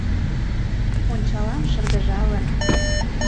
Ончалам шыргыжалын